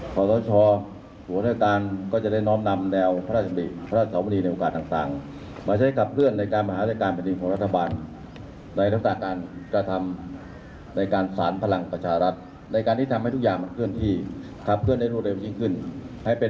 พระราชสวนีที่เจยส่งรับศักดิ์ไว้เสมอมาต่อเวลาหลายสิบปี